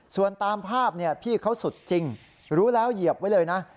ส่วนตามภาพพี่เขาสุดจริงรู้แล้วเหยียบไว้เลยนะ